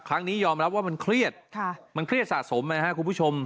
ครั้งนี้ยอมรับว่ามันเครียดมันเครียดสะสมนะครับคุณผู้ชม